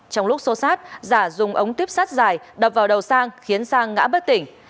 trong lúc xô xát giả dùng ống tuyếp sắt dài đập vào đầu sang khiến sang ngã bất tỉnh